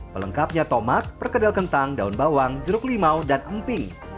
pelengkapnya tomat perkedel kentang daun bawang jeruk limau dan emping